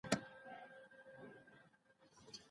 برتري غوښتنه شخړې زیاتوي